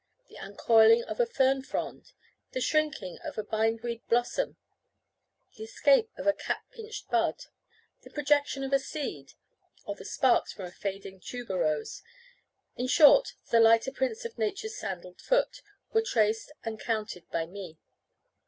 The uncoiling of a fern frond, the shrinking of a bind weed blossom, the escape of a cap pinched bud, the projection of a seed, or the sparks from a fading tuberose, in short, the lighter prints of Nature's sandalled foot, were traced and counted by me.